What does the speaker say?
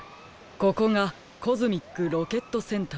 ここがコズミックロケットセンターですか。